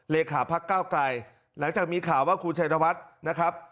เลขาพักเก้าไกลหลังจากมีข่าวว่าคุณชัยนวัฒน์นะครับ